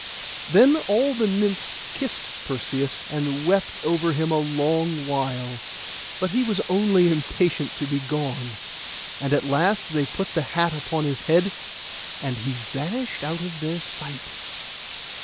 Then all the Nymphs kissed Perseus, and wept over him a long while; but he was only impatient to be gone. And at last they put the hat upon his head, and he vanished out of their sight.